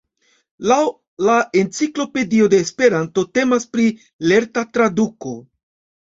Laŭ la Enciklopedio de Esperanto temas pri "lerta traduko".